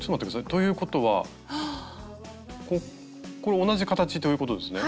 ということはこれ同じ形ということですね。